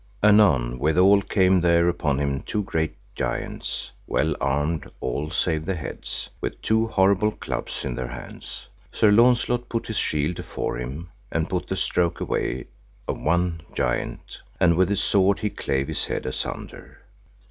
Anon withal came there upon him two great giants, well armed all save the heads, with two horrible clubs in their hands. Sir Launcelot put his shield afore him and put the stroke away of the one giant, and with his sword he clave his head asunder.